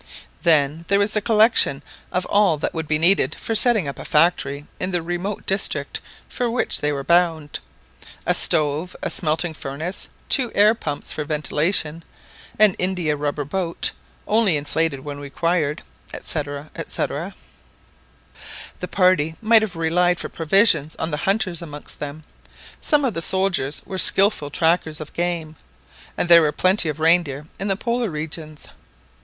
Then there was the collection of all that would be needed for setting up a factory in the remote district for which they were bound : a stove; a smelting furnace, two airpumps for ventilation, an India rubber boat, only inflated when required, &c., &c. The party might have relied for provisions on the hunters amongst them. Some of the soldiers were skilful trackers of game, and there were plenty of reindeer in the Polar regions.